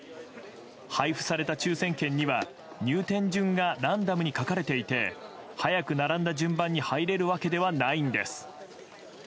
配布された抽選券には入店順がランダムに書かれていて早く並んだ順番に入れるわけではないんです。